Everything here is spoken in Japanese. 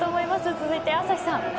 続いて朝日さん。